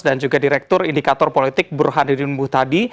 dan juga direktur indikator politik burhanuddin muthadi